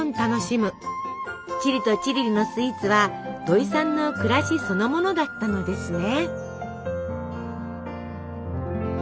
チリとチリリのスイーツはどいさんの暮らしそのものだったのですね！